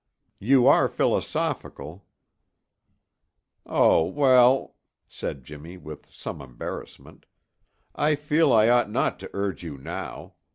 "You are philosophical." "Oh, well," said Jimmy with some embarrassment, "I feel I ought not to urge you now.